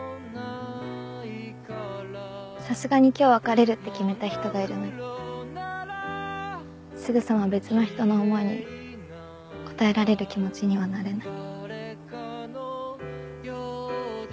さすがに今日別れるって決めた人がいるのにすぐさま別の人の思いに応えられる気持ちにはなれない。